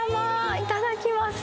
いただきます。